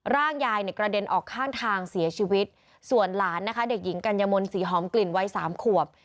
ร่างยายเนี่ยกระเด็นออกข้างทางเสียชีวิตส่วนหลานนะคะเด็กหญิงกัญญมนศรีหอมกลิ่นวัยสามขวบ